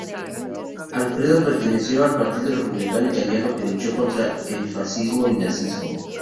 Alfredo perteneció al Partido Republicano Italiano que luchó en contra del Fascismo y Nazismo.